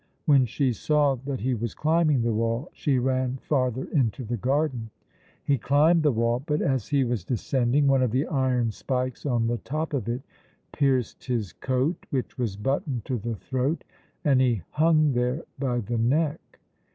When she saw that he was climbing the wall she ran farther into the garden. He climbed the wall, but, as he was descending, one of the iron spikes on the top of it pierced his coat, which was buttoned to the throat, and he hung there by the neck.